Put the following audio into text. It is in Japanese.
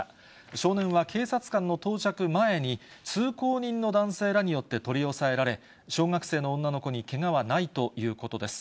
少年は警察官の到着前に、通行人の男性らによって取り押さえられ、小学生の女の子にけがはないということです。